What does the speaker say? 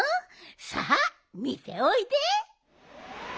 さあみておいで。